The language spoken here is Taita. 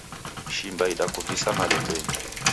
Shimba idakuvisa malembenyi.